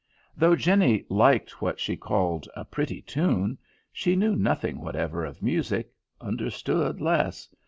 Though Jenny liked what she called "a pretty tune," she knew nothing whatever of music, understood less.